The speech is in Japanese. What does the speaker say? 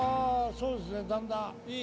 そうですねだんだん。